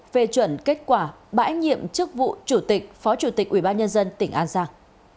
về chuẩn kết quả bãi nhiệm chức vụ chủ tịch phó chủ tịch ubnd tỉnh an giang